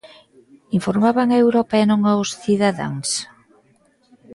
Informaban a Europa e non aos cidadáns?